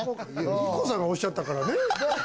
ＩＫＫＯさんがおっしゃったからね。